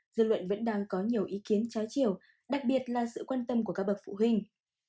dư luận vẫn đang có nhiều ý kiến trái chiều đặc biệt là sự quan tâm của các bậc phụ huynh